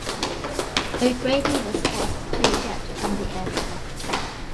O'Grady was forced to eject from the aircraft.